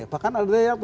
bahkan ada yang